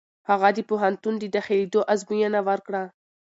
هغه د پوهنتون د داخلېدو ازموینه ورکړه.